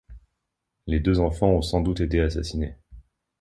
Les deux enfants ont sans douté été assassinés.